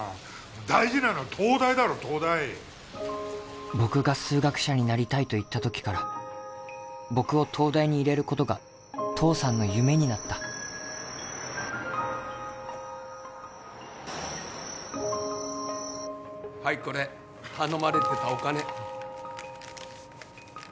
大事なのは東大だろ東大僕が数学者になりたいと言った時から僕を東大に入れることが父さんの夢になった・はいこれ頼まれてたお金